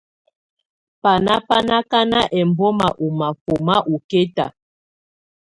Báná bá ákáná ɛlbɔ́má ɔ́ máfɔ́má ɔ́kɛta.